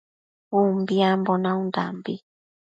Umbiambo naundambi